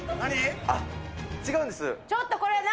ちょっとこれ何？